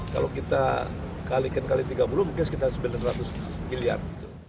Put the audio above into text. kalau kita kalikan kali tiga puluh mungkin sekitar sembilan ratus miliar